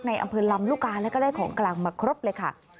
อำเภอลำลูกกาแล้วก็ได้ของกลางมาครบเลยค่ะ